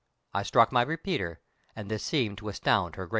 I struck my repeater, and this seemed to astound her greatly.